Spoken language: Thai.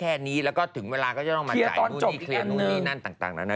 แค่นี้แล้วก็ถึงเวลาก็จะต้องมาจ่ายนู่นนี่เคลียร์นู่นนี่นั่นต่างนานา